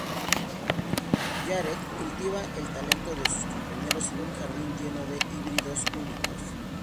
Jarrett cultiva el talento de sus compañeros en un jardín lleno de híbridos únicos.